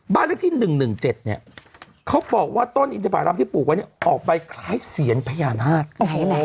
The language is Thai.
บ้านเลขที่๑๑๗เนี่ยเขาบอกว่าต้นอินทบารำที่ปลูกไว้เนี่ยออกไปคล้ายเสียญพญานาค